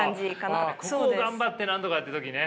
ここを頑張ってなんとかって時ね。